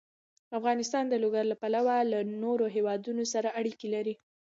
افغانستان د لوگر له پلوه له نورو هېوادونو سره اړیکې لري.